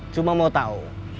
cuma mau tau